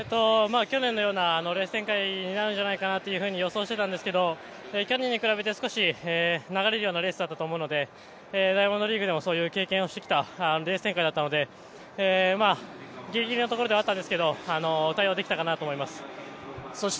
去年のようなレース展開になるんじゃないかと予想していたんですけど、去年に比べて少し流れるようなレースだったと思うのでダイヤモンドリーグでもそういう経験をしてきたレース展開だったのでギリギリのところではあったんですけど、対応できたかなと思います